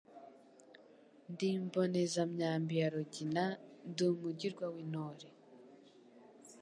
Ndi imbonezamyambi ya Rugina ndi umugirwa w,intore